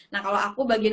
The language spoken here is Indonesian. nah kalau aku bagian